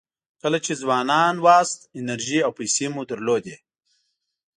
کله چې ځوانان وئ انرژي او پیسې مو درلودې.